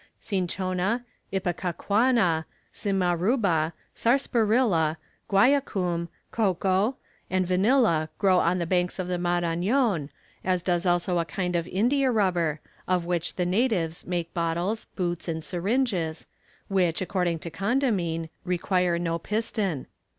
] Cinchona, ipecacuanha, simaruba, sarsaparilla, guaiacum, cocoa, and vanilla grow on the banks of the Marañon, as does also a kind of india rubber, of which the natives make bottles, boots, and syringes, which, according to Condamine, require no piston.